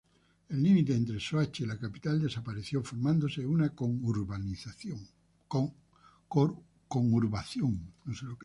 El límite entre Soacha y la capital desapareció, formándose una conurbación.